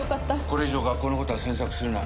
これ以上学校のことは詮索するな。